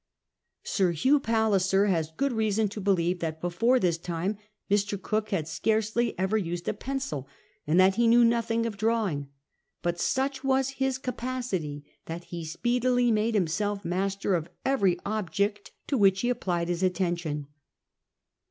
Sir Hugh Palliser has good reason to believe that l>efore this time Mr. Cook had scarcely ever used a pencil, and that he knew nothing of drawing. But such was his capacity that he speedily made himself master of every object to which he applied his attention.